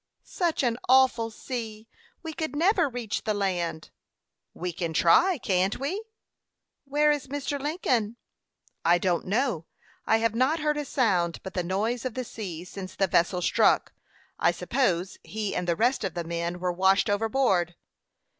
"Such an awful sea! We could never reach the land." "We can try can't we?" "Where is Mr. Lincoln?" "I don't know. I have not heard a sound but the noise of the sea since the vessel struck. I suppose he and the rest of the men were washed overboard."